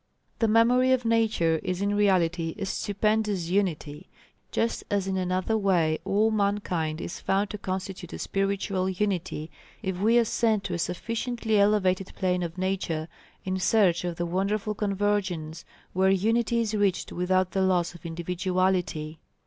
The memory of Nature is in reality a stupendous unity, just as in another way all mankind is found to constitute a spiritual unity if we ascend to a sufficiently elevated plane of Nature in search of the wonderful convergence where unity is reached without the loss of individuality.